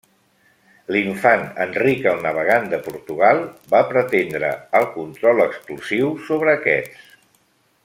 L'infant Enric el Navegant de Portugal va pretendre el control exclusiu sobre aquests.